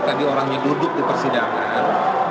tadi orangnya duduk di persidangan